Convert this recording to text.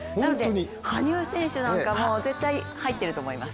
羽生選手なんかも、絶対入っていると思います。